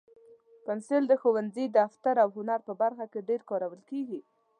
پنسل د ښوونځي، دفتر، او هنر په برخه کې ډېر کارول کېږي.